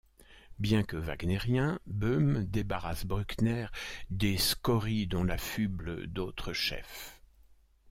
Bien que wagnérien, Böhm débarrasse Bruckner des scories dont l'affublent d'autres chefs.